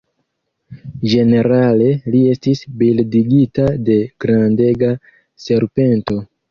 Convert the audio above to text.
Ĝenerale li estis bildigita de grandega serpento.